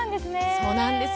そうなんです。